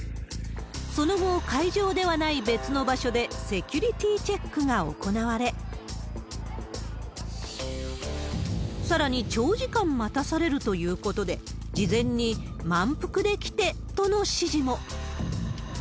その後、会場ではない別の場所で、セキュリティーチェックが行われ、さらに長時間待たされるということで、事前に満腹で来てとの指示も。